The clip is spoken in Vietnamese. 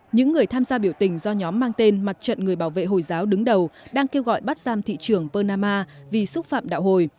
những người tham gia biểu tình do nhóm mang tên mặt trận người bảo vệ hồi giáo đứng đầu đang kêu gọi bắt giam thị trường pernama vì xúc phạm đạo hồi